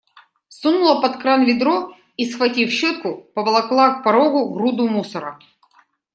Сунула под кран ведро и, схватив щетку, поволокла к порогу груду мусора.